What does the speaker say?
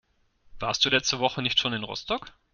Warst du letzte Woche nicht schon in Rostock?